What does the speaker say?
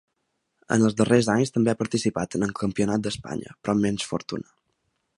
En els darrers anys també ha participat en el Campionat d'Espanya, però amb menys fortuna.